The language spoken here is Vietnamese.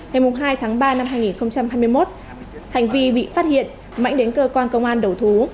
hề mùng hai tháng ba năm hai nghìn hai mươi một hành vi bị phát hiện mãnh đến cơ quan công an đầu thú